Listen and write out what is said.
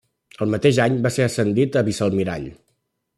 Al mateix any va ser ascendit a vicealmirall.